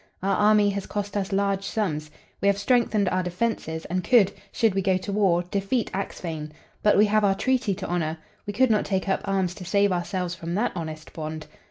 Our army has cost us large sums. We have strengthened our defenses, and could, should we go to war, defeat Axphain. But we have our treaty to honor; we could not take up arms to save ourselves from that honest bond.